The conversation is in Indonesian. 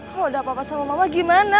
kalau udah apa apa sama mama gimana